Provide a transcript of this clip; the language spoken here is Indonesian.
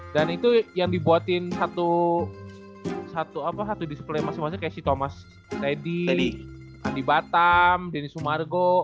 dan itu yang dibuatin satu display masing masing kayak thomas reddy andi batam denny sumargo